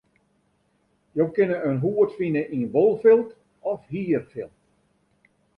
Jo kinne in hoed fine yn wolfilt of hierfilt.